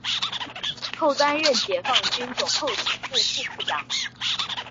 后担任解放军总后勤部副部长。